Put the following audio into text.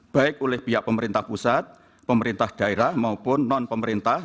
baik oleh pihak pemerintah pusat pemerintah daerah maupun non pemerintah